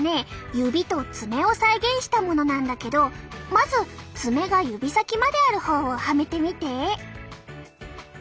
指と爪を再現したものなんだけどまず爪が指先まである方をはめてみて。